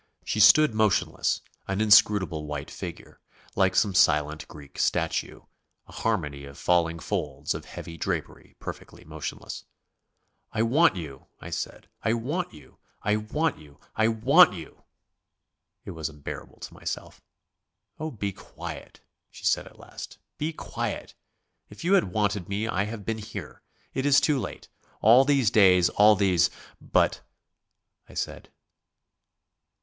She stood motionless, an inscrutable white figure, like some silent Greek statue, a harmony of falling folds of heavy drapery perfectly motionless. "I want you," I said "I want you, I want you, I want you." It was unbearable to myself. "Oh, be quiet," she said at last. "Be quiet! If you had wanted me I have been here. It is too late. All these days; all these " "But ..." I said.